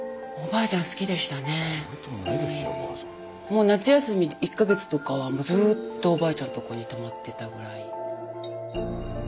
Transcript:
もう夏休み１か月とかはずっとおばあちゃんとこに泊まってたぐらい。